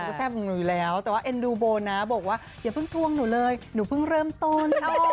ก็แซ่บของหนูอยู่แล้วแต่ว่าเอ็นดูโบนะบอกว่าอย่าเพิ่งทวงหนูเลยหนูเพิ่งเริ่มต้น